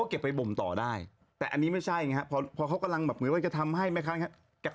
ธรรมดาธุเรียนก็จะต้องเจาะหรือไง